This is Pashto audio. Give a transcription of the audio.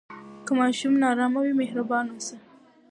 که ماشوم نارامه وي، مهربان اوسه.